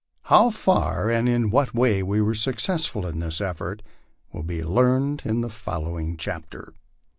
How far and in what way we were successful in this effort, will be learned in the following chapter XIV.